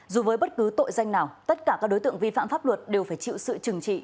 dù với bất cứ tội danh nào tất cả các đối tượng vi phạm pháp luật đều phải chịu sự trừng trị